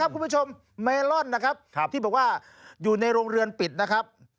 คุณผู้ชมเมลอนนะครับที่บอกว่าอยู่ในโรงเรือนปิดนะครับ